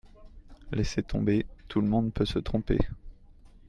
Laissez tomber. Tout le monde peut se tromper.